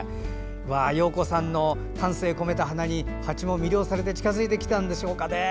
洋子さんの丹精こめた花にハチも魅了されて近づいてきたんでしょうかね。